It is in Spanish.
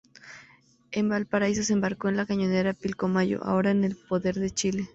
En Valparaíso se embarcó en la cañonera Pilcomayo, ahora en poder de Chile.